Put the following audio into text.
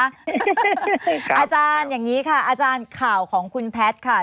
อย่างนี้ค่ะอาจารย์ข่าวของคุณแพทย์ค่ะ